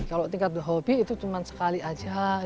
kalau tingkat hobi itu cuma sekali aja